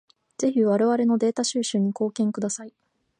ぜひ我々のデータ収集に貢献してください。